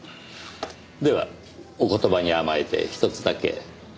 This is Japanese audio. ではお言葉に甘えてひとつだけ。